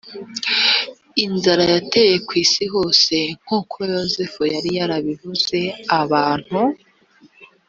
inzara yateye ku isi hose nk uko yozefu yari yarabivuze abantu